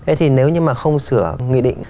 thế thì nếu như mà không sửa nghị định